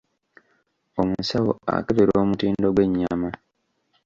Omusawo akebera omutindo gw'ennyama.